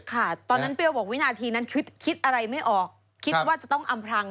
ตอนนั้นเปรี้ยวบอกวินาทีนั้นคิดอะไรไม่ออกคิดว่าจะต้องอำพลัง